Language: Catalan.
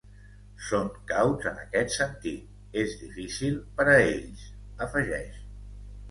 Són cauts en aquest sentit, és difícil per a ells, afegeix.